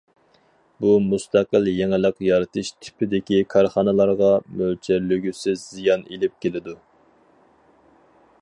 بۇ مۇستەقىل يېڭىلىق يارىتىش تىپىدىكى كارخانىلارغا مۆلچەرلىگۈسىز زىيان ئېلىپ كېلىدۇ.